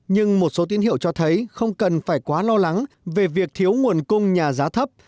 nhưng một số tín hiệu cho thấy không cần phải quá lo lắng về việc thiếu nguồn cung nhà giá thấp